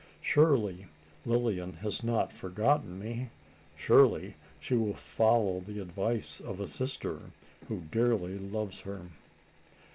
Surely Lilian has not forgotten me? Surely she will follow the advice of a sister who dearly loves her?"